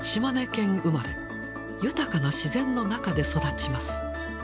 豊かな自然の中で育ちます。